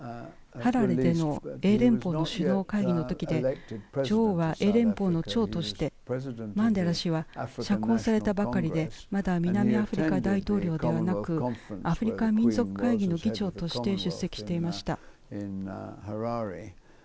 ハラレでの英連邦の首脳会議の時で女王は英連邦の長としてマンデラ氏は釈放されたばかりでまだ南アフリカ大統領ではなくアフリカ民族会議の議長として出席していました。